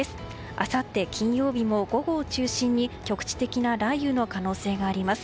あさって金曜日も午後を中心に局地的な雷雨の可能性があります。